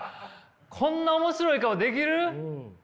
こんな面白い顔できる？